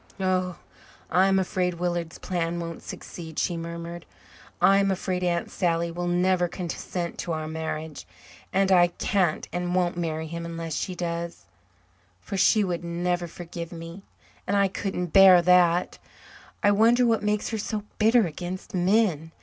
"Oh, I'm afraid Willard's plan won't succeed," she murmured. "I'm afraid Aunt Sally will never consent to our marriage. And I can't and won't marry him unless she does, for she would never forgive me and I couldn't bear that. I wonder what makes her so bitter against men.